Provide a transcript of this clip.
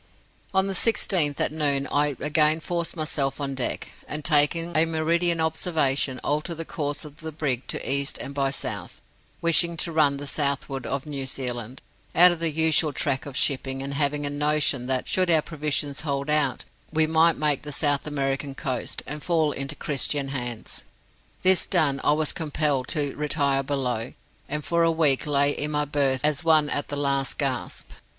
"On the 16th, at noon, I again forced myself on deck, and taking a meridian observation, altered the course of the brig to east and by south, wishing to run to the southward of New Zealand, out of the usual track of shipping; and having a notion that, should our provisions hold out, we might make the South American coast, and fall into Christian hands. This done, I was compelled to retire below, and for a week lay in my berth as one at the last gasp.